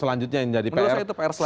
menurut saya itu pr selanjutnya